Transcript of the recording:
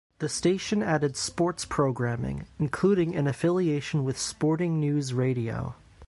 The station added sports programming, including an affiliation with Sporting News Radio.